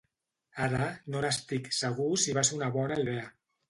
Ara, no n'estic segur si va ser una bona idea.